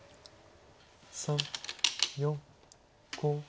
３４５。